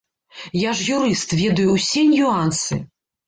Я ж юрыст, ведаю усе нюансы.